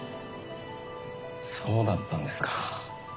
そうだったんですか。